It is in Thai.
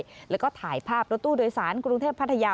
เนี่ยเครอนก็ถ่ายภาพรถุโดยศาลกรุงเทพพัทยา